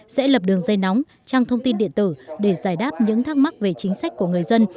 sẽ lập đường dây nóng trang thông tin điện tử để giải đáp những thắc mắc về chính sách của người dân